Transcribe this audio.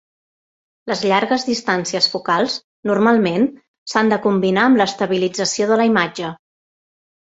Les llargues distàncies focals normalment s'han de combinar amb l'estabilització de la imatge.